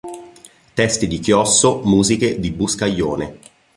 Testi di Chiosso, musiche di Buscaglione.